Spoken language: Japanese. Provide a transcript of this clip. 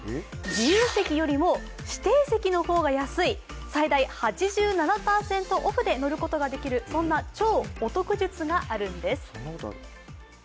自由席よりも指定席の方が安い最大８７％オフで乗ることができるそんな超お得術があるんです。